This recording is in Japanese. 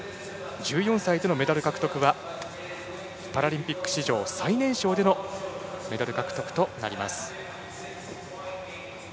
１４歳でのメダル獲得はパラリンピック史上最年少でのメダル獲得となります。